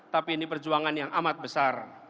tapi ini perjuangan yang amat besar